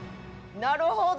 なるほど！